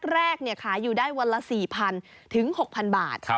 แรกขายอยู่ได้วันละ๔๐๐๐ถึง๖๐๐บาท